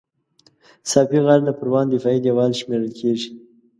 ساپی غر د پروان دفاعي دېوال شمېرل کېږي